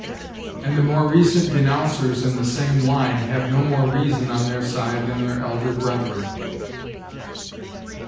And the more recent denouncers in the same line have no more reason on their side than their elder brethren.